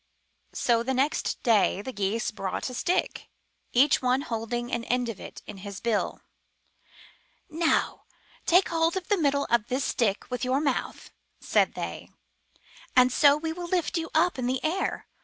So the next day the Geese brought a stick, each one holding an end of it in his bill. Now take hold of the middle of this stick with your mouth," said they, ''and so we will lift you up in the air.